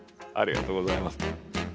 ありがとうございます。